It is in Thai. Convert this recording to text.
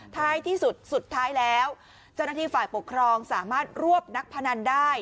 ท้ายที่สุดสุดท้ายแล้วเจ้าหน้าที่ฝ่ายปกครองสามารถรวบนักพนันได้